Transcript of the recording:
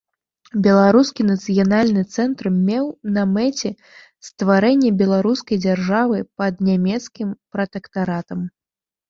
Беларускі нацыянальны цэнтр меў на мэце стварэнне беларускай дзяржавы пад нямецкім пратэктаратам.